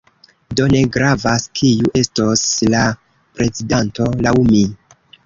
Do, ne gravas kiu estos la prezidanto laŭ mi